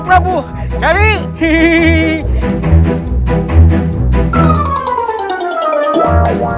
saya akan menang